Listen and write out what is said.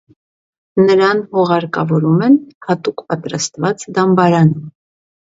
Նրան հուղարկավորում են հատուկ պատրաստված դամբարանում։